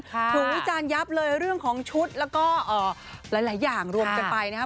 ถูกวิจารณ์ยับเลยเรื่องของชุดแล้วก็หลายอย่างรวมกันไปนะครับ